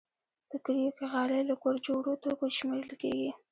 په کلیو کې غالۍ له کور جوړو توکو شمېرل کېږي.